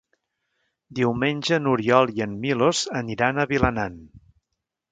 Diumenge n'Oriol i en Milos aniran a Vilanant.